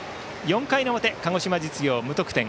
４回の表、鹿児島実業、無得点。